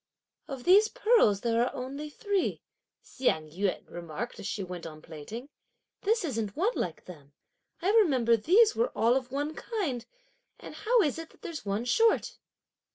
"Of these pearls there are only three," Hsiang yün remarked as she went on plaiting; "this isn't one like them; I remember these were all of one kind, and how is it that there's one short?"